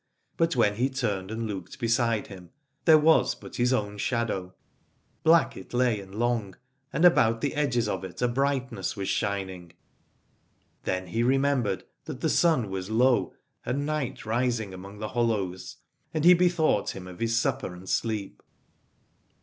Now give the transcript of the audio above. But when he turned and looked beside him, there was but his own shadow; black it lay and long, and about the edges of it a brightness was shining. Then he remembered that the sun was low and night rising among the hollows, and he bethought him of his supper and sleep.